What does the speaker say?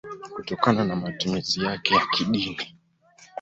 kutokana na matumizi yake ya kidini.